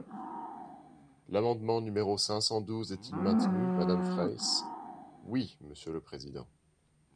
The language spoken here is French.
L’amendement numéro cinq cent douze est-il maintenu, madame Fraysse ? Oui, monsieur le président.